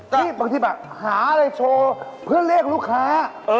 ที่บางทีแบบหาอะไรโชว์เพื่อเรียกลูกค้า